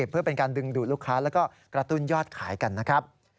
เพื่อเป็นการดึงดูดลูกค้าแล้วก็กระตุ้นยอดขายกันนะครับ